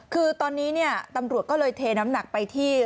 คือตอนนี้เนี่ยตำรวจก็เลยเทน้ำหนักไปที่